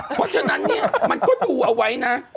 เพราะฉะนั้นเนี่ยมันก็ดูเอาไว้นะ